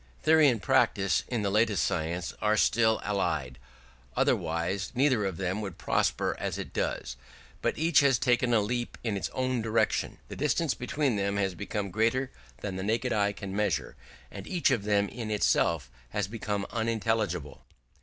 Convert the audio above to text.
Theory and practice in the latest science are still allied, otherwise neither of them would prosper as it does; but each has taken a leap in its own direction. The distance between them has become greater than the naked eye can measure, and each of them in itself has become unintelligible.